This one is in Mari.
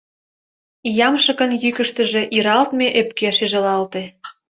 Ямшыкын йӱкыштыжӧ иралтме ӧпке шижылалте.